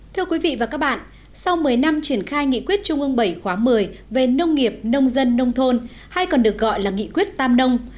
thưa quý vị và các bạn sau một mươi năm triển khai nghị quyết trung ương bảy khóa một mươi về nông nghiệp nông dân nông thôn hay còn được gọi là nghị quyết tam nông